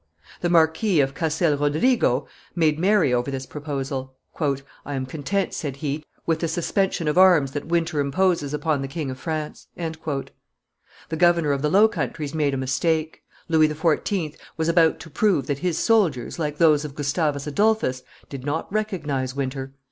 The Marquis of Castel Rodriguo made merry over this proposal. "I am content," said he, "with the suspension of arms that winter imposes upon the King of France." The governor of the Low Countries made a mistake: Louis XIV. was about to prove that his soldiers, like those of Gustavus Adolphus, did not recognize winter.